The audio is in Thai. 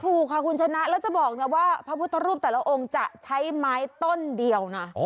ถูกค่ะคุณชนะแล้วจะบอกนะว่าพระพุทธรูปแต่ละองค์จะใช้ไม้ต้นเดียวนะ